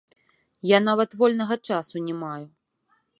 Я нават вольнага часу не маю.